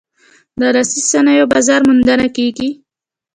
د لاسي صنایعو بازار موندنه کیږي؟